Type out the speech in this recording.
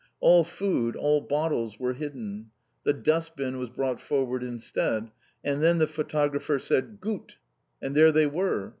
All food, all bottles, were hidden. The dustbin was brought forward instead. And then the photographer said "gut!" And there they were!